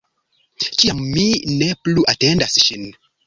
Kiam mi ne plu atendas ŝin.